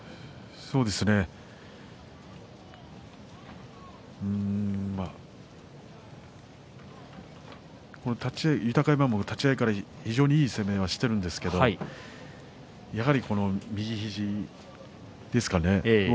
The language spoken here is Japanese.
そうですね立ち合い豊山は立ち合いから非常にいい攻めをしているんですけどやはりこの右肘ですかね。